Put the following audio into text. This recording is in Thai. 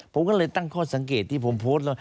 ผมก็เลยตั้งข้อสังเกตที่ผมโพสต์แล้ว